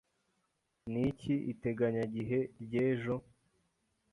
Niki iteganyagihe ry'ejo?